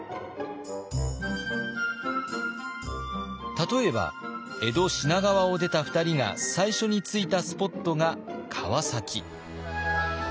例えば江戸品川を出た２人が最初に着いたスポットが川崎。